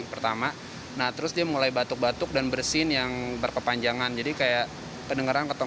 pertama nah terus dia mulai batuk batuk dan bersin yang berkepanjangan jadi kayak pendengaran atau